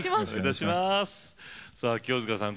清塚さん